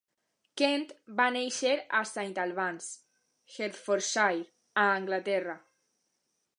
Kent va néixer a Saint Albans (Hertfordshire), a Anglaterra.